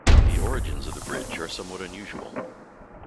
The origins of the bridge are somewhat unusual.